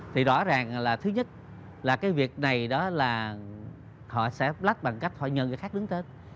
thì rõ ràng là thứ nhất là cái việc này đó là họ sẽ lách bằng cách họ nhờ người khác đứng tên